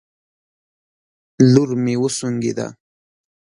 لور مې وسونګېده